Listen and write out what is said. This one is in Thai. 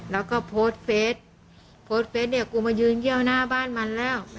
แล้วก็โพสต์เฟสโพสต์เฟสเนี่ยกูมายืนเยี่ยวหน้าบ้านมันแล้ว